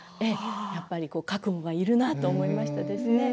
やっぱり覚悟がいるなと思いましたですね。